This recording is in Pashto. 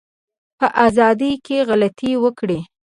په ازادی کی غلطي وکړی